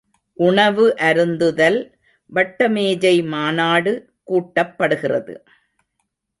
உணவு அருந்துதல் வட்டமேஜை மாநாடு கூட்டப்படுகிறது.